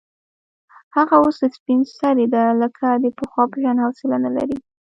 هغه اوس سپین سرې ده، لکه د پخوا په شان حوصله نه لري.